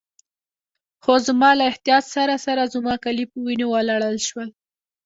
خو زما له احتیاط سره سره زما کالي په وینو ولړل شول.